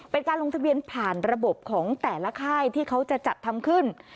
เป็นการลงทะเบียนผ่านระบบของแต่ละค่ายที่เขาจะจัดทำขึ้น